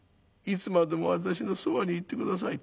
いつまでも私のそばにいて下さい』。